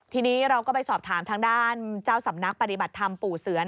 ทีนี้เราก็ไปสอบถามทางด้านเจ้าสำนักปฏิบัติธรรมปู่เสือ